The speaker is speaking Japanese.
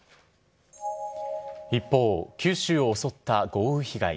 一方、九州を襲った豪雨被害。